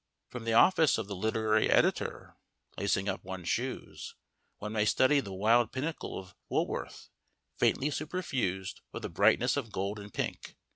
From the office of the Literary Editor (lacing up one's shoes) one may study the wild pinnacle of Woolworth, faintly superfused with a brightness of gold and pink.